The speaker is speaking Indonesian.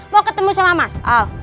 mau ketemu sama mas